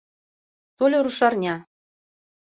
Тольо рушарня.